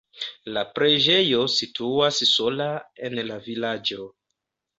La preĝejo situas sola en la vilaĝo.